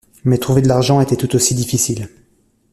Mais trouver de l'argent était tout aussi difficile.